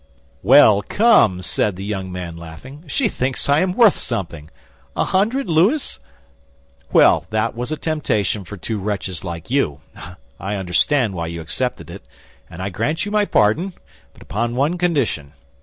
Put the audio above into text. "Well, come!" said the young man, laughing, "she thinks I am worth something. A hundred louis? Well, that was a temptation for two wretches like you. I understand why you accepted it, and I grant you my pardon; but upon one condition."